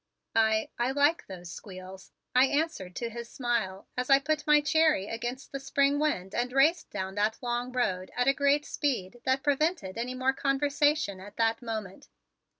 "I like those squeals," I answered to his smile as I put my Cherry against the spring wind and raced down that long road at a great speed that prevented any more conversation at that moment.